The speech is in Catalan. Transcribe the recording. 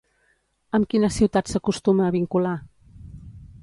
Amb quina ciutat s'acostuma a vincular?